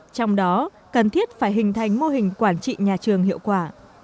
trong đó cần thiết phải hình thành mô hình quản trị nhà trường hiệu quả